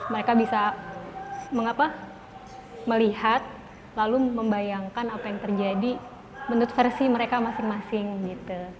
mereka bisa melihat lalu membayangkan apa yang terjadi menurut versi mereka masing masing gitu